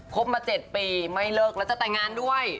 บมา๗ปีไม่เลิกแล้วจะแต่งงานด้วย